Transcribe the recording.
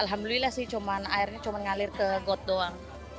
alhamdulillah sih cuman airnya cuman ngalir ke got doang